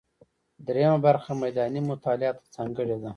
درېیمه برخه میداني مطالعاتو ته ځانګړې ده.